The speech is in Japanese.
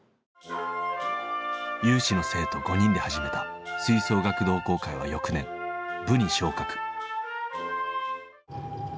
有志の生徒５人で始めた吹奏楽同好会は翌年部に昇格。